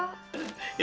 dapet aja sih pak